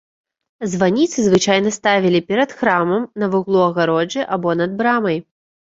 Званіцы звычайна ставілі перад храмам, на вуглу агароджы або над брамай.